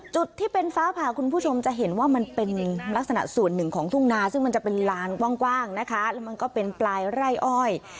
จุดที่เป็นฟ้าผ่าคุณผู้ชมจะเห็นว่ามันเป็นลักษณะส่วนหนึ่งของทุ่งนาซึ่งมันจะเป็นลานกว้างนะคะแล้วมันก็เป็นปลายไร่อ้อย